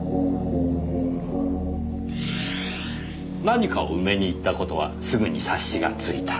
何かを埋めに行った事はすぐに察しがついた。